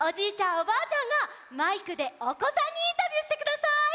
おばあちゃんがマイクでおこさんにインタビューしてください！